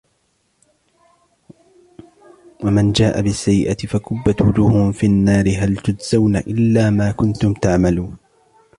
ومن جاء بالسيئة فكبت وجوههم في النار هل تجزون إلا ما كنتم تعملون